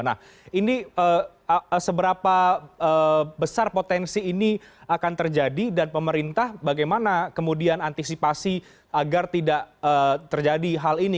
nah ini seberapa besar potensi ini akan terjadi dan pemerintah bagaimana kemudian antisipasi agar tidak terjadi hal ini